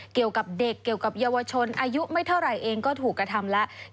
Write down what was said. เกี่ยวกับเด็กเกี่ยวกับเยาวชนอายุไม่เท่าไหร่เองก็ถูกกระทำแล้ว